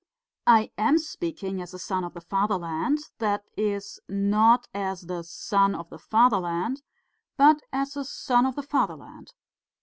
I am speaking as a son of the fatherland, that is, not as the Son of the Fatherland, but as a son of the fatherland.